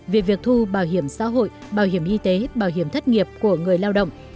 về việc thu bảo hiểm xã hội bảo hiểm y tế bảo hiểm thất nghiệp của người lao động